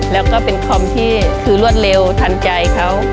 แล้วก็เป็นคอมที่คือรวดเร็วทันใจเขา